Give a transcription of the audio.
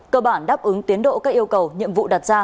cơ bản đáp ứng tiến độ các yêu cầu nhiệm vụ